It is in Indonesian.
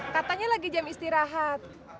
katanya lagi jam istirahat